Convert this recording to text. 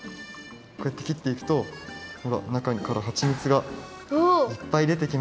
こうやってきっていくとほら中からはちみつがいっぱいでてきます。